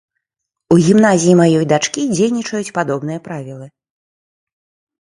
У гімназіі маёй дачкі дзейнічаюць падобныя правілы.